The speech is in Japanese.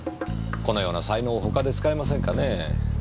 このような才能を他で使えませんかねぇ。